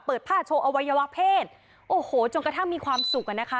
ผ้าโชว์อวัยวะเพศโอ้โหจนกระทั่งมีความสุขอะนะคะ